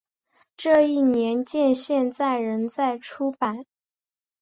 这一年鉴现在仍在出版。